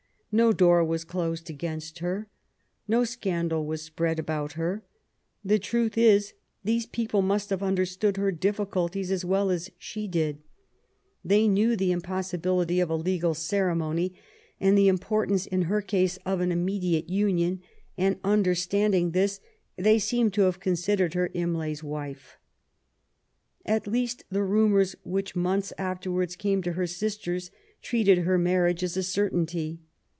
No door was closed against her; no scandal was spread about her. The truth is, these people must have under stood her difficulties as well as she did. They knew 128 MABY W0LL8T0NECBAFT GODWIN. the impossibility of a legal ceremony and the import ance in her case of an immediate union ; and, under standing this^ they seem to have considered her Imlay's wife. At least the rumours which months afterwards came to her sisters treated her marriage as a certainty.